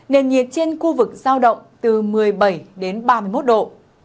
nền nhiệt trên khu vực giao động từ một mươi bảy đến ba mươi một độ